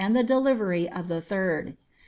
r the delivery of the thirti."